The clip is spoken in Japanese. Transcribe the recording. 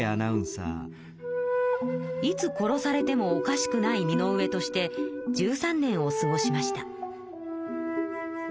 いつ殺されてもおかしくない身の上として１３年を過ごしました。